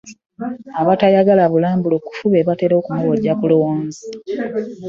Abataagala bulambulukufu be batera okumubojja ku luwonzi